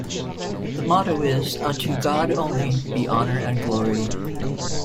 The motto is: "Unto God only be Honour and Glory"